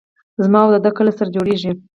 زما او د دې کله سره جوړېږي.